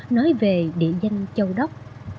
nói về địa danh châu đốc